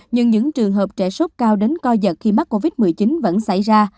nhưng những trường hợp trẻ sốt cao đến coi giật khi mắc covid một mươi chín vẫn xảy ra